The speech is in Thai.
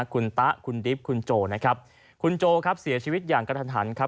คุณตะคุณดิบคุณโจนะครับคุณโจครับเสียชีวิตอย่างกระทันหันครับ